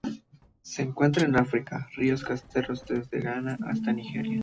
Se encuentran en África: ríos costeros desde Ghana hasta Nigeria.